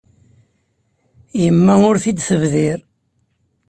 Yemma ur t-id-tebdir.